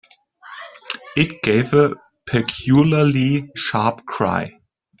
It gave a peculiarly sharp cry.